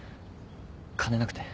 金なくて。